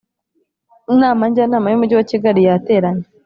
Inama Njyanama y’ Umujyi wa Kigali yateranye